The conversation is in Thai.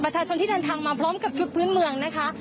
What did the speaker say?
ประชาชนที่นึนทางมาพร้อมกับชุดพื้นเมืองนะคะ